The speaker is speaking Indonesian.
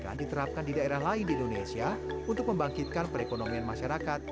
dan diterapkan di daerah lain di indonesia untuk membangkitkan perekonomian masyarakat